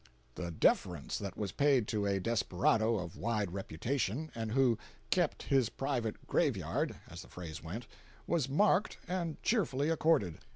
The deference that was paid to a desperado of wide reputation, and who "kept his private graveyard," as the phrase went, was marked, and cheerfully accorded.